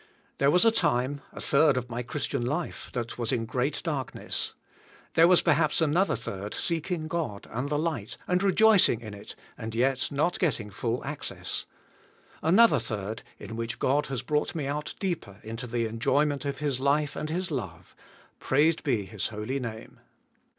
There was a time, a third of my Christian life, that was in great darkness; there was perhaps another third seeking* God and the light and rejoicing in it and yet not getting full access; another third in which God has brought me out deeper into the enjoyment of His life and His love — praised be His holy name.